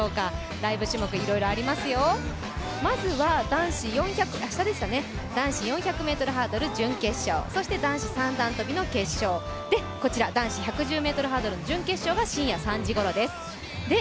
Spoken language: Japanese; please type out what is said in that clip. ライブ種目、いろいろありますよ、まずは男子４００ｍハードル準決勝そして男子三段跳の決勝、男子１１０ｍハードルの準決勝が深夜３時ごろです。